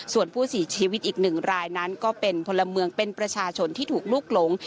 ส่วนผู้เสียชีวิตอีกหนึ่งรายนั้นก็เป็นพลเมืองเป็นประชาชนที่ถูกลุกหลง